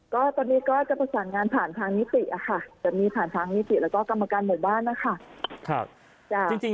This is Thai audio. ก็ตอนนี้ก็จะประสานงานผ่านทางนิติอะค่ะจะมีผ่านทางนิติแล้วก็กรรมการหมู่บ้านนะคะ